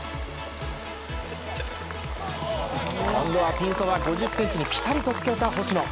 今度はピンそば５０ｃｍにぴたりとつけた星野。